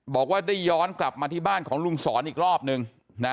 บอกว่าได้ย้อนกลับมาที่บ้านของลุงสอนอีกรอบนึงนะ